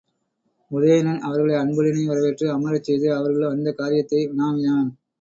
உதயணன் அவர்களை அன்புடனே வரவேற்று அமரச் செய்து, அவர்கள் வந்த காரியத்தை வினாவினான்.